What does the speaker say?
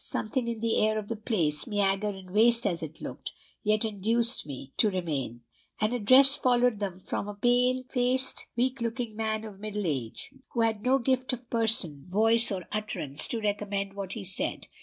Something in the air of the place, meagre and waste as it looked, yet induced me to remain. An address followed from a pale faced, weak looking man of middle age, who had no gift of person, voice, or utterance, to recommend what he said.